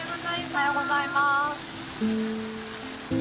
おはようございます。